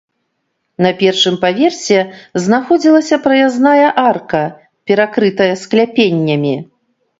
На першым паверсе знаходзілася праязная арка, перакрытая скляпеннямі.